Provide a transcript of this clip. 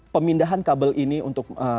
pemindahan kabel ini untuk